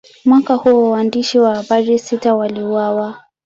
Mwaka huo, waandishi wa habari sita waliuawa.